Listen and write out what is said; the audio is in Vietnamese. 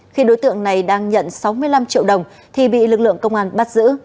khi đối tượng này đang nhận sáu mươi năm triệu đồng thì bị lực lượng công an bắt giữ